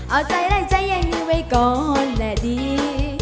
เอาใจได้ใจยังอยู่ไว้ก่อนแน่ดี